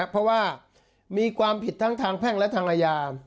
เพราะว่ามีความผิดทั้งแพ่งวัฒนศปรั๊กต์และธังละยา